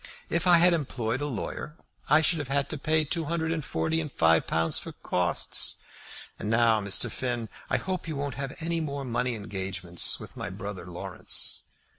If I had employed a lawyer I should have had to pay two hundred and forty pounds and five pounds for costs. And now, Mr. Finn, I hope you won't have any more money engagements with my brother Laurence."